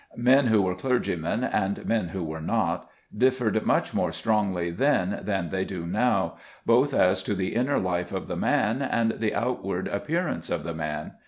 Men who were clergymen, and men who were not, differed much more strongly then than they do now, both as to the inner life of the man and the outward appearance of the man.